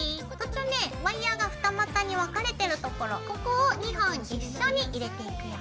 ワイヤーが二股に分かれてるところここを２本一緒に入れていくよ。